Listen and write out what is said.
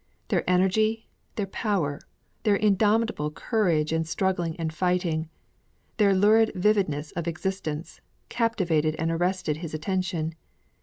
Their energy, their power, their indomitable courage in struggling and fighting; their lurid vividness of existence, captivated and arrested his attention.